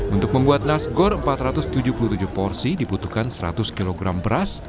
untuk membuat nasgor empat ratus tujuh puluh tujuh porsi dibutuhkan seratus kg beras